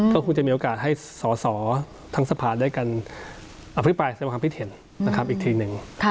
ก็คงจะมีโอกาสให้สอสอทั้งสภาได้กันอภิปรายแสดงความคิดเห็นนะครับอีกทีหนึ่ง